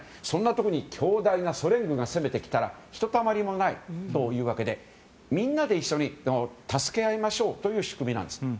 そんなところに強大なソ連軍が攻めてきたらひとたまりもないというわけでみんなで一緒に助け合いましょうという仕組みなんです。